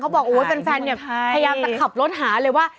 เขาบอกว่าเป็นแฟนพยายามจะขับรถหาเลยว่า